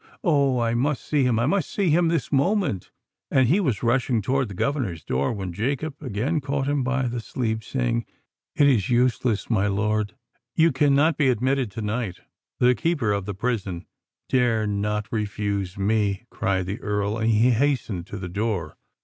"Oh! I must see him—I must see him this moment——" And he was rushing towards the governor's door, when Jacob again caught him by the sleeve, saying, "It is useless, my lord! you cannot be admitted to night." "The keeper of the prison dare not refuse me," cried the Earl; and he hastened to the door.